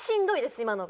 今のが。